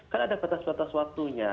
kan ada batas batas waktunya